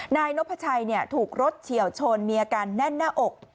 นายนพชัยถูกรถเฉียวชนมีอาการแน่นหน้าอก